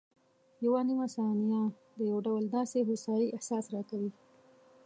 یوه نیمه ثانیه د یو ډول داسې هوسایي احساس راکوي.